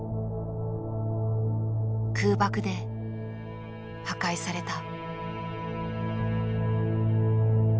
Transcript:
空爆で破壊された。